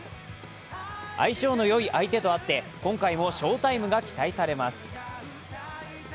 相性の良い相手とあって今回も翔タイムが期待されます。